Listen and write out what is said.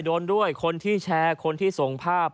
โดนด้วยคนที่แชร์คนที่ส่งภาพ